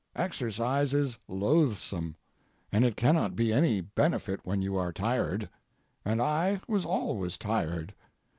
Exercise is loathsome. And it cannot be any benefit when you are tired; and I was always tired.